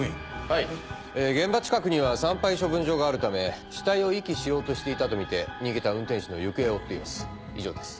はい現場近くには産廃処分場があるため死体を遺棄しようとしていたとみて逃げた運転手の行方を追っています以上です。